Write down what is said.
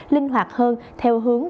linh hoạt hơn theo hướng